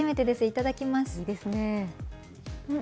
いただきます。